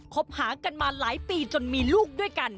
คบหากันมาหลายปีจนมีลูกด้วยกัน